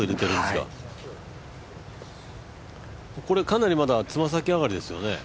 かなりまだつま先上がりですよね？